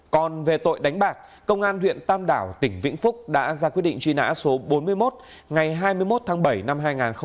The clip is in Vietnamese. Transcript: còn về tội đánh bạc công an huyện tam đảo tỉnh vĩnh phúc đã ra quyết định truy nã số bốn mươi một ngày hai mươi một tháng bảy năm hai nghìn một mươi ba